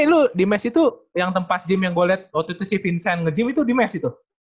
tadi lo di mes itu tempat gym yang gue liat waktu itu si vincent nge gym itu di mes itu